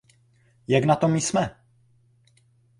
Jak na tom jsme?